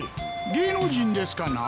芸能人ですかな？